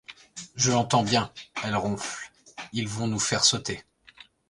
Je l'entends bien, elle ronfle, ils vont nous faire sauter.